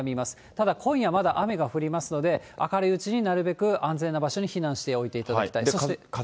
ただ今夜まだ、雨が降りますので、明るいうちになるべく安全な場所に避難しておいていただいて。